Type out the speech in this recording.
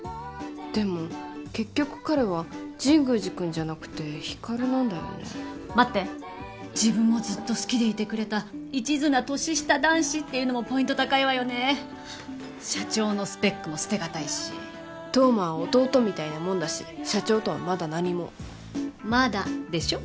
でも結局彼は神宮寺君じゃなくて光琉なんだよね待って自分をずっと好きでいてくれた一途な年下男子っていうのもポイント高いわよね社長のスペックも捨てがたいし冬馬は弟みたいなもんだし社長とはまだ何もまだでしょ？